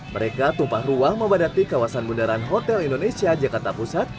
mereka tumpah ruah membadati kawasan bundaran hotel indonesia jakarta pusat